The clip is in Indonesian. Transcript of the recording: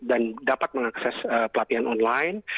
dan dapat mengakses pelatihan online